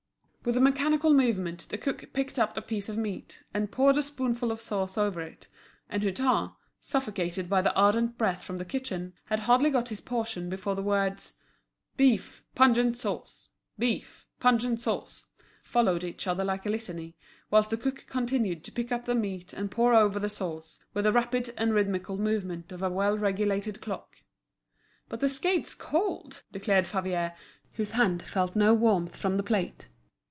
With a mechanical movement, the cook picked up a piece of meat, and poured a spoonful of sauce over it; and Hutin, suffocated by the ardent breath from the kitchen, had hardly got his portion, before the words, "Beef, pungent sauce; beef, pungent sauce," followed each other like a litany; whilst the cook continued to pick up the meat and pour over the sauce, with the rapid and rhythmical movement of a well regulated clock. "But the skate's cold," declared Favier, whose hand felt no warmth from the plate.